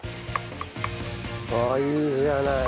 うわいいじゃない。